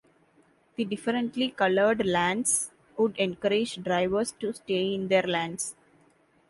The differently-colored lanes would encourage drivers to stay in their lanes.